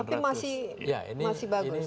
tapi masih bagus